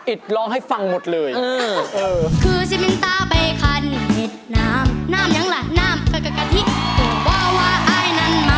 ร้องให้ฟังหมดเลย